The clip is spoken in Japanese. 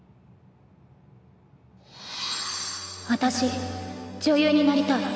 私女優になりたい。